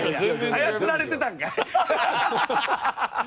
操られてたんかい。